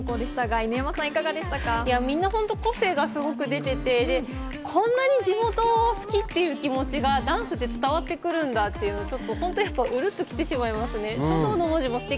みんな個性がすごく出ていて、こんなに地元が好きっていうのをダンスで伝わってくるんだなって、本当にウルッときてしまいますね。